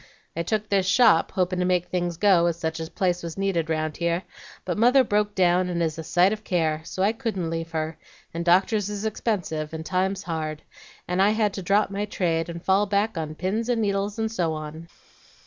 I took this shop, hopin' to make things go, as such a place was needed round here, but mother broke down, and is a sight of care; so I couldn't leave her, and doctors is expensive, and times hard, and I had to drop my trade, and fall back on pins and needles, and so on.'"